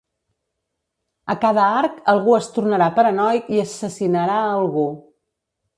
A cada arc algú es tornarà paranoic i assassinarà a algú.